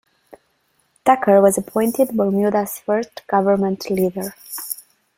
Tucker was appointed Bermuda’s first Government Leader.